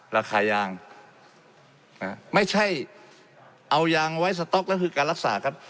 ราคายางไม่ใช่เอายางไว้สต๊อกแล้วคือการรักษาครับ